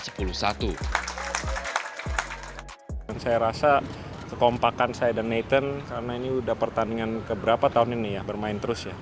saya rasa kekompakan saya dan nathan karena ini udah pertandingan keberapa tahun ini ya bermain terus ya